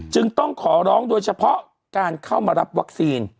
จึงต้องขอร้องโดยเฉพาะการเข้ามารับวัคซีน